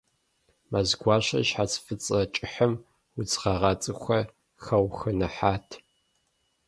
Мэзгуащэ и щхьэц фӏыцӏэ кӏыхьым удз гъэгъа цӏыкӏухэр хэухуэныхьат.